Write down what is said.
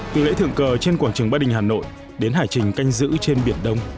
từ lễ thượng cờ trên quảng trường ba đình hà nội đến hải trình canh giữ trên biển đông